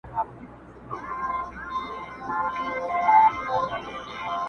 د ماهیانو سوې خوراک مرګ دي په خوا دی؛